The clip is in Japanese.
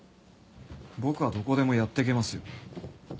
僕はどこでもやっていけますよ。